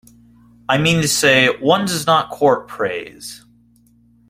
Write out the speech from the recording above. I mean to say, one does not court praise.